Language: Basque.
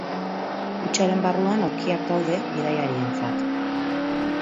Kutxaren barruan aulkiak daude bidaiarientzat.